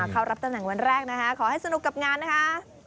เขารับตำแหน่งวันแรกนะคะขอให้สนุกกับงานนะคะ